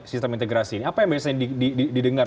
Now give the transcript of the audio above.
sistem integrasi ini apa yang biasanya didengar